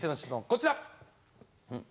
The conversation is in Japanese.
こちら。